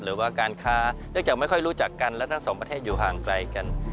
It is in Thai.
หรือว่าการค้าเนื่องจากไม่ค่อยรู้จักกันและทั้งสองประเทศอยู่ห่างไกลกัน